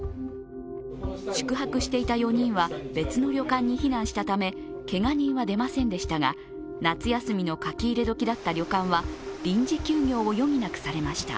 宿泊していた４人は別の旅館に非難したためけが人は出ませんでしたが夏休みの書き入れ時だった旅館は臨時休業を余儀なくされました。